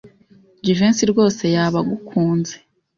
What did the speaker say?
Jivency rwose yaba agukunze.